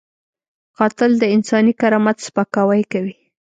قاتل د انساني کرامت سپکاوی کوي